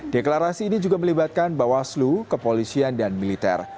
deklarasi ini juga melibatkan bawah slu kepolisian dan militer